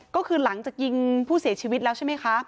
ก็คือหลังจากยิงผู้เสียชีวิตแล้วใช่ไหมคะ